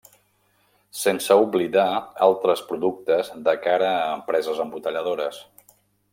Sense oblidar altres productes de cara a empreses embotelladores.